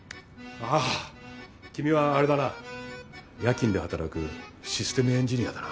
ああ君はあれだな夜勤で働くシステムエンジニアだな。